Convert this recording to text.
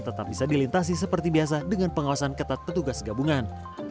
tetap bisa dilintasi seperti biasa dengan pengawasan ketat petugas gabungan